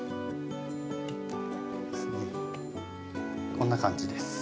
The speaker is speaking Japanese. こんな感じです。